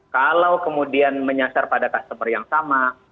kalau kemudian menyasar pada customer yang sama